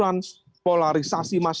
yang kemudian tidak didasarkan pada pemerintah